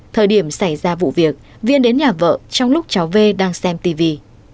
thời điểm xảy ra vụ việc viên đến nhà vợ trong lúc cháu v đang xem tv